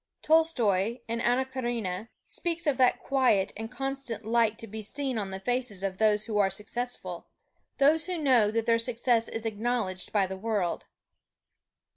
Tolstoy in "Anna Karenina" speaks of that quiet and constant light to be seen on the faces of those who are successful those who know that their success is acknowledged by the world.